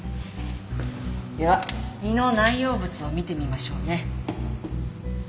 では胃の内容物を見てみましょうね。